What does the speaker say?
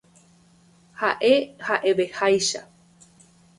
Ha'e ha'eveháicha.